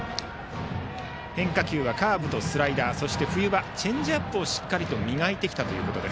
変化球はカーブ、スライダーそして冬場、チェンジアップをしっかりと磨いてきたと。